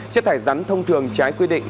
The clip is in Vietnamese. chất thải rắn thông thường trái quy định